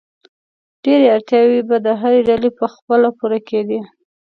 ډېری اړتیاوې به د هرې ډلې په خپله پوره کېدې.